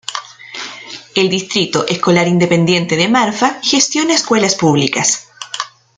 El Distrito Escolar Independiente de Marfa gestiona escuelas públicas.